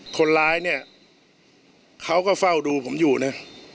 คนร้ายเนี่ยเขาก็เฝ้าดูผมอยู่นะ